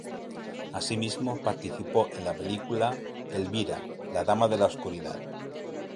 Asimismo participó en la película "Elvira, la dama de la Oscuridad".